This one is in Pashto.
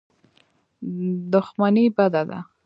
دښمني بده ده.